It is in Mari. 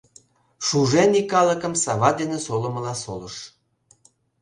Шужен ий калыкым сава дене солымыла солыш.